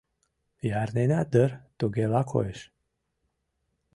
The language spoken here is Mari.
— Ярненат дыр, тугела коеш.